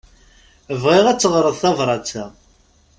Bɣiɣ ad teɣṛeḍ tabrat-a.